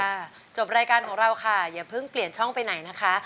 จบรายการของเราค่ะอย่าเพิ่งเปลี่ยนช่องไปไหนนะคะ